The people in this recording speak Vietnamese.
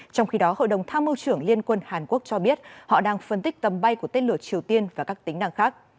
trong khi đó hội đồng tham mưu trưởng liên quân hàn quốc cho biết họ đang phân tích tầm bay của tên lửa triều tiên và các tính năng khác